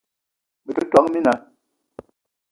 Me te , tόn mina